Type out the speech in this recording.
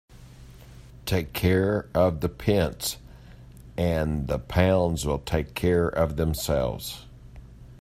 Take care of the pence and the pounds will take care of themselves.